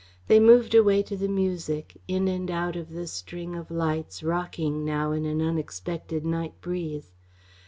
They moved away to the music, in and out of the string of lights, rocking now in an unexpected night breeze.